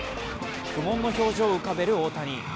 苦悶の表情を浮かべる大谷。